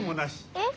えっ？